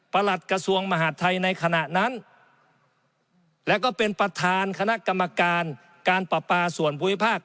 หลัดกระทรวงมหาดไทยในขณะนั้นและก็เป็นประธานคณะกรรมการการประปาส่วนภูมิภาค